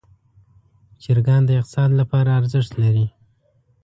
چرګان د اقتصاد لپاره ارزښت لري.